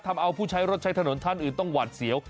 ทำเอาผู้ใช้รถใช้ถนนท่านอื่นต้องหวัดเสียว